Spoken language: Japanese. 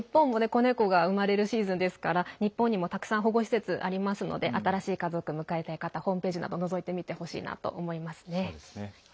子猫が生まれるシーズンですから日本にもたくさん保護施設ありますので新しい家族、迎えたい方ホームページなどのぞいてみてほしいなと思いますね。